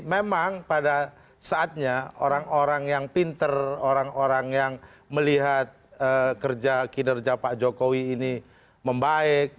memang pada saatnya orang orang yang pinter orang orang yang melihat kinerja pak jokowi ini membaik